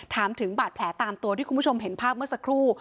ถามถึงบาดแผลตามตัวที่คุณผู้ชมเห็นภาพเมื่อสักครู่